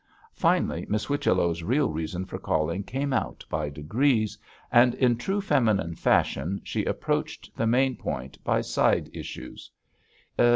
Finally Miss Whichello's real reason for calling came out by degrees, and in true feminine fashion she approached the main point by side issues.